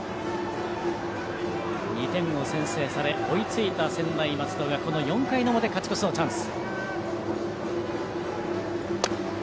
２点を先制され追いついた専大松戸がこの４回表、勝ち越しのチャンス。